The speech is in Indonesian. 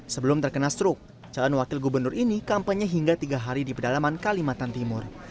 sebelum terkena struk calon wakil gubernur ini kampanye hingga tiga hari di pedalaman kalimantan timur